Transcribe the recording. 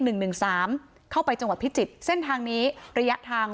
หนึ่งหนึ่งสามเข้าไปจังหวัดพิจิตรเส้นทางนี้ระยะทาง